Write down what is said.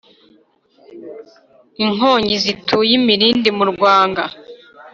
inkongi zituye imirindi mu rwanga